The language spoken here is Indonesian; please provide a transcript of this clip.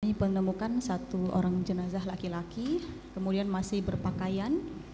kami menemukan satu orang jenazah laki laki kemudian masih berpakaian